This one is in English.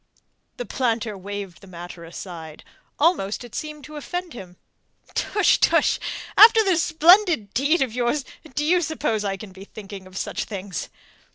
The planter waved the matter aside. Almost it seemed to offend him. "Tush! Tush! After this splendid deed of yours, do you suppose I can be thinking of such things?"